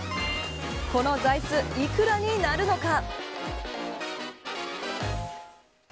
この座椅子いくらになるのか。